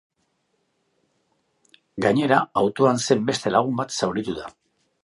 Gainera, autoan zen beste lagun bat zauritu da.